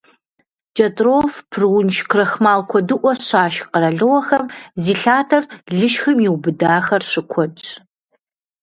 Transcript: КӀэртӀоф, прунж, крахмал куэдыӀуэ щашх къэралыгъуэхэм зи лъатэр лышхым иубыдахэр щыкуэдщ.